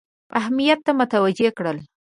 اهمیت ته متوجه کړل.